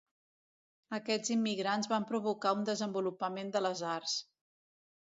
Aquests immigrants van provocar un desenvolupament de les arts.